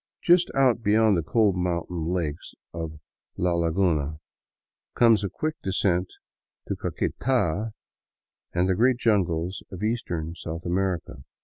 Just out beyond the cold mountain lakes of La Laguna comes a quick descent to Caqueta and the great jungles of eastern South America.